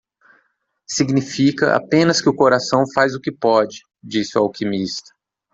"Significa apenas que o coração faz o que pode", disse o alquimista.